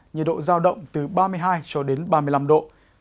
nhiệt độ giao động từ ba mươi hai cho đến ba mươi năm độ